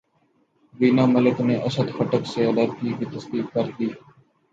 وینا ملک نے اسد خٹک سے علیحدگی کی تصدیق کردی